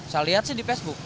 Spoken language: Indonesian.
saya lihat sih di facebook